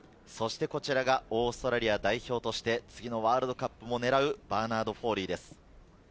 こちらはオーストラリア代表として次のワールドカップも狙うバーナード・フォーリーです。